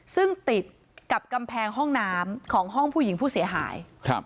ซึ่งติดกับกำแพงห้องน้ำของห้องผู้หญิงผู้เสียหาย